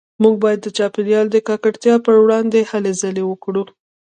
موږ باید د چاپیریال د ککړتیا پروړاندې هلې ځلې وکړو